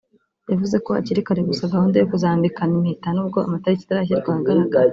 yavuze ko hakiri kare gusa gahunda yo kuzambikana impeta nubwo amatariki atarashyirwa ahagaragara